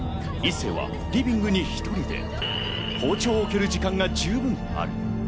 一星はリビングに１人で、包丁を置ける時間が十分ある。